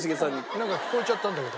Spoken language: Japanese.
なんか聞こえちゃったんだけど。